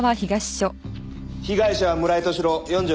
被害者は村井敏郎４５歳。